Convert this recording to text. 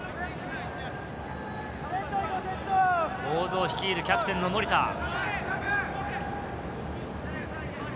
大津を率いるキャプテンの森田。